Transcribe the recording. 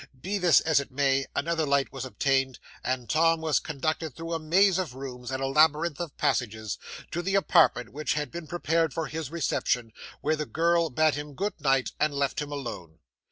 Be this as it may, another light was obtained, and Tom was conducted through a maze of rooms, and a labyrinth of passages, to the apartment which had been prepared for his reception, where the girl bade him good night and left him alone.